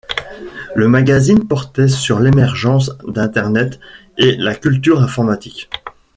Le magazine portait sur l'émergence d'Internet et la culture informatique.